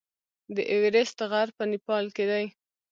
د ایورسټ غر په نیپال کې دی.